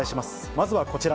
まずはこちら。